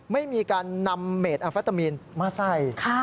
ไม่มีการนำเมดอัฟตามีนมาใส่